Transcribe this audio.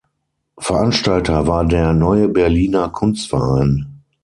Veranstalter war der Neue Berliner Kunstverein.